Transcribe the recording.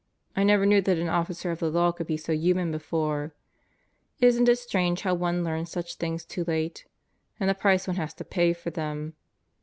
I never knew that an Officer of the Law could be so human before now. Isn't it strange how one learns such things too late and the price one has to pay for them!